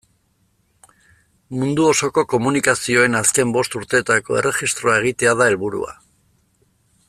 Mundu osoko komunikazioen azken bost urteetako erregistroa egitea da helburua.